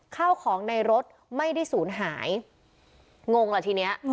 ข้าวของในรถไม่ได้ศูนย์หายงงล่ะทีนี้